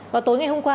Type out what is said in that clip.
vào tối ngày hôm qua